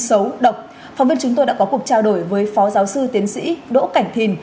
xấu độc phóng viên chúng tôi đã có cuộc trao đổi với phó giáo sư tiến sĩ đỗ cảnh thìn